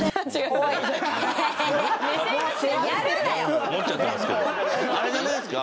おいやるなよ持っちゃってますけどあれじゃないんですか